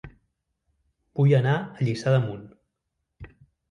Vull anar a Lliçà d'Amunt